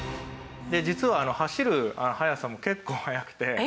実は走る速さも結構速くて。